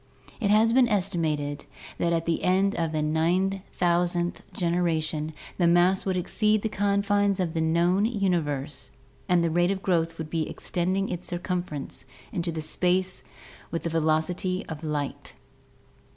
It has been estimated that at the end of the 9000th generation the mass would exceed the confines of the known universe and the rate of growth would be extending its circumference into space with the velocity of light!